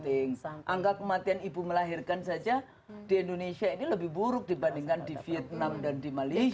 ya kebijakan yang saat ini yang sudah kematian ibu melahirkan saja di indonesia ini lebih buruk dibandingkan di vietnam dan di malaysia